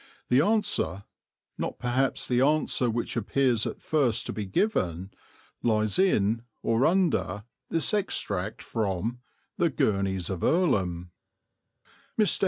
The answer, not perhaps the answer which appears at first to be given, lies in or under this extract from The Gurneys of Earlham. Mr.